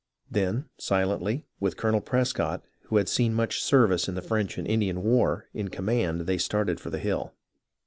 Then, silently, with Colonel Prescott, who had seen much service in the French and Indian war, in command, they started for the hill.